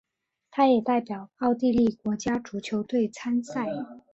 他也代表奥地利国家足球队参赛。